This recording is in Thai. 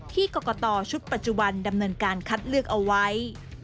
ที่กรกตชุดปัจจุบันดำเนินการคัดเลือกเอาไว้